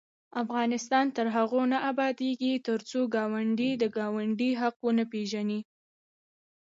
افغانستان تر هغو نه ابادیږي، ترڅو ګاونډي د ګاونډي حق وپيژني.